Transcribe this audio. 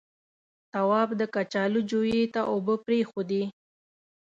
تواب د کچالو جويې ته اوبه پرېښودې.